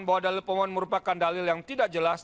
bahwa dalil pemohon merupakan dalil yang tidak jelas